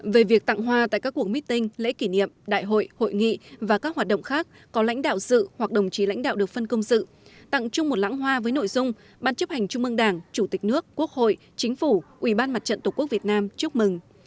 về việc tặng hoa tại các cuộc meeting lễ kỷ niệm đại hội hội nghị và các hoạt động khác có lãnh đạo sự hoặc đồng chí lãnh đạo được phân công sự tặng chung một lãng hoa với nội dung ban chấp hành trung mương đảng chủ tịch nước quốc hội chính phủ ủy ban mặt trận tổ quốc việt nam chúc mừng